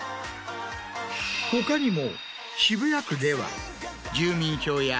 他にも。